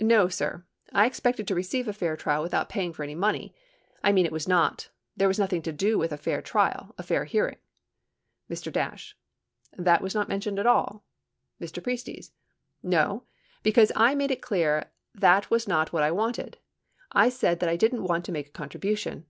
No, sir, I expected to receive a fair trial without paying any money. I mean it was not — there was nothing to do with a fair trial, a fair hearing. Mr. Dash. That was not mentioned at all ? Mr. Priestes. No, because I made it clear that was not what I wanted. I said that I didn't want to make a contribution.